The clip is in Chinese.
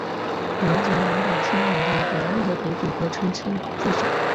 连结南北千住的北岸的北组合称千住宿。